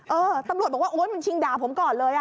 เออตำรวจบอกว่าโอ๊ยมันชิงด่าผมก่อนเลย